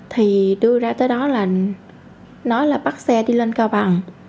thì đưa ra tới đó là nói là bắt xe đi lên cao bằng